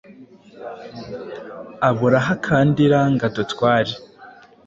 Abura aho akandira ngo adutware.